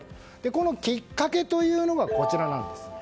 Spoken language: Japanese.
このきっかけというのがこちらなんです。